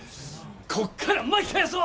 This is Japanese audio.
こっから巻き返そ！